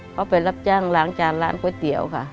เขาไปรับจ้างล้างจานร้านก๋วยเตี๋ยวค่ะ